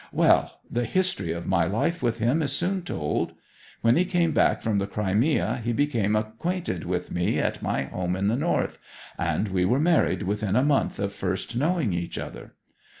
Well; the history of my life with him is soon told. When he came back from the Crimea he became acquainted with me at my home in the north, and we were married within a month of first knowing each other.